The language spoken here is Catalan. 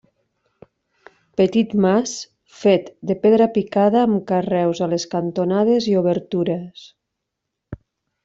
Petit mas fet de pedra picada amb carreus a les cantonades i obertures.